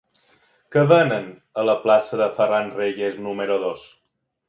Què venen a la plaça de Ferran Reyes número dos?